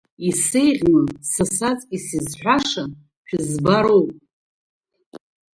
Исеиӷьны, са саҵкыс изҳәаша, шәызбароуп!